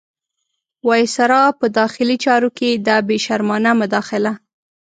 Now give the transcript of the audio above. وایسرا په داخلي چارو کې دا بې شرمانه مداخله.